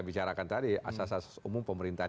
bicarakan tadi asas asas umum pemerintahan